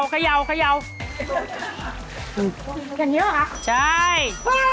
เห็นเยอะหรือครับใช่